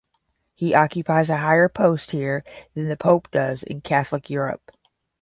He occupies a higher post here than the Pope does in Catholic Europe.